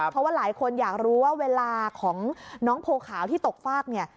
เพราะว่าหลายคนอยากรู้ว่าเวลาของน้องโพขาวที่ตกฟากเนี่ย